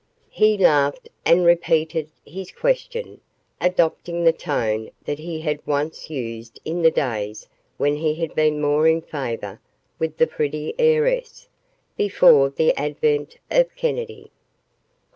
He laughed and repeated his question, adopting the tone that he had once used in the days when he had been more in favor with the pretty heiress, before the advent of Kennedy.